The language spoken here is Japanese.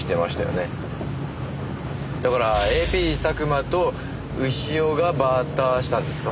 だからＡＰ佐久間と潮がバーターしたんですか？